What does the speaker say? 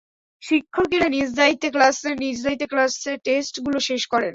শিক্ষকেরা নিজ দায়িত্বে ক্লাস নেন, নিজ দায়িত্বে ক্লাস টেস্টগুলো শেষ করেন।